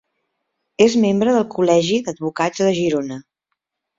És membre del Col·legi d'Advocats de Girona.